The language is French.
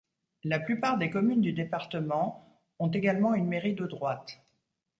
La plupart des communes du département ont également une mairie de droite.